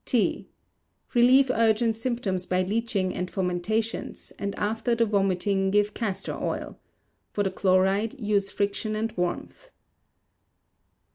T. Relieve urgent symptoms by leeching and fomentations, and after the vomiting give castor oil. For the chloride, use friction and warmth.